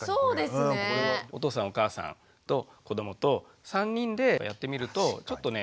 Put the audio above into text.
お父さんお母さんと子どもと３人でやってみるとちょっとね